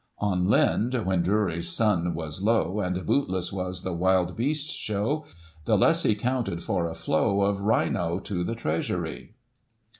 On Lind, when Drury's sun was low. And bootless was the wild beast show, The lessee counted for a flow Of rhino to the treasury.